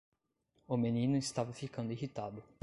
O menino estava ficando irritado.